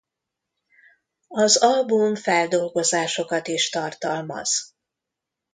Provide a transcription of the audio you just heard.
Az album feldolgozásokat is tartalmaz.